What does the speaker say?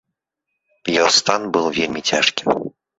Яго стан быў вельмі цяжкім.